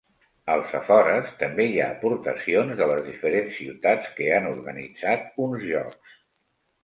Als afores, també hi ha aportacions de les diferents ciutats que han organitzat uns jocs.